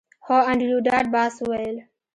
هو انډریو ډاټ باس وویل